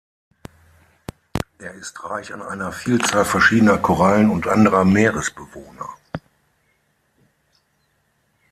Er ist reich an einer Vielzahl verschiedener Korallen und anderer Meeresbewohner.